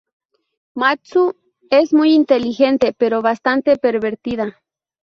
Matsu es muy inteligente pero bastante pervertida.